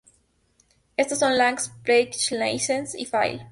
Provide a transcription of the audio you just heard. Estos son lang:, package:, license: y file:.